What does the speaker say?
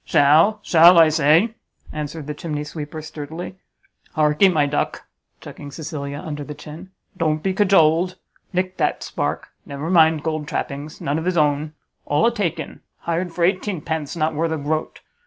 "Shall, shall! I say!" answered the chimneysweeper, sturdily; "Hark'ee, my duck," chucking Cecilia under the chin, "don't be cajoled, nick that spark! never mind gold trappings; none of his own; all a take in; hired for eighteenpence; not worth a groat.